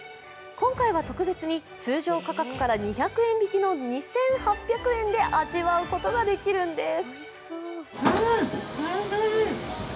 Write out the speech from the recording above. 今回は特別に通常価格から２００円引きの２８００円で味わうことができるんです。